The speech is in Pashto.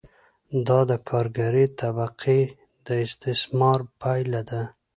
دا د کارګرې طبقې د استثمار پایله ده